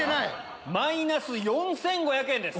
マイナス４５００円です。